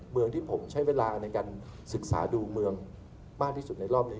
เมืองที่ผมใช้เวลาในการศึกษาดูเมืองมากที่สุดในรอบนี้